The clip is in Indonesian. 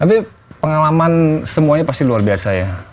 tapi pengalaman semuanya pasti luar biasa ya